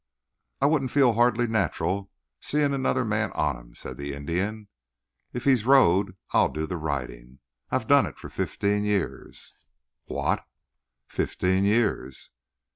"I wouldn't feel hardly natural seeing another man on him," said the Indian. "If he's rode I'll do the riding. I've done it for fifteen years." "What?" "Fifteen years."